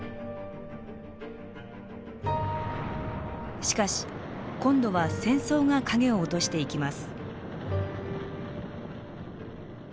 しかし今度は戦争が影を落としていきます。